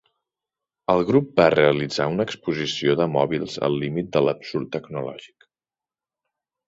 El grup va realitzar una exposició de mòbils al límit de l'absurd tecnològic.